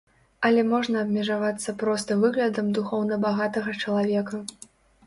Але можна абмежавацца проста выглядам духоўна багатага чалавека.